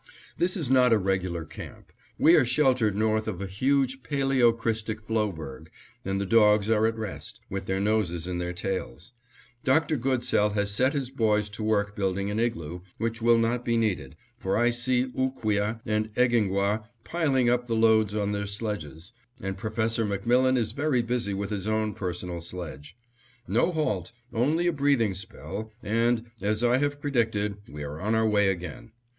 This is not a regular camp. We are sheltered north of a huge paleocrystic floeberg; and the dogs are at rest, with their noses in their tails. Dr. Goodsell has set his boys to work building an igloo, which will not be needed, for I see Ooqueah and Egingwah piling up the loads on their sledges, and Professor MacMillan is very busy with his own personal sledge. No halt, only a breathing spell and, as I have predicted, we are on our way again.